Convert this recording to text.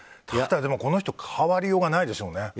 ただこの人変わりようがないでしょうね。